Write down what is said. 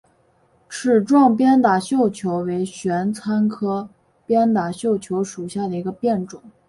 齿状鞭打绣球为玄参科鞭打绣球属下的一个变种。